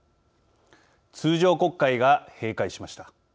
通常国会が閉会しました。